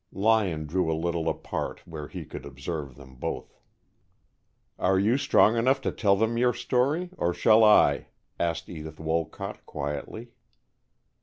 Lyon drew a little apart where he could observe them both. "Are you strong enough to tell them your story, or shall I?" asked Edith Wolcott, quietly.